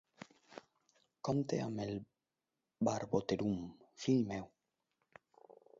Compte amb el Barboterum, fill meu!